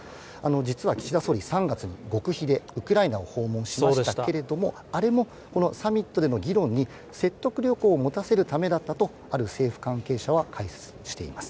実は岸田総理、３月に極秘でウクライナを訪問しましたけれども、あれもこのサミットでの議論に説得力を持たせるためだったと、ある政府関係者は解説しています。